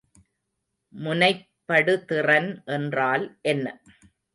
முனைப்படுதிறன் என்றால் என்ன?